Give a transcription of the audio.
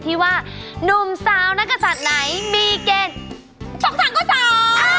ที่ว่านุ่มสาวนักศัตริย์ไหนมีเกณฑ์ตกสังกษา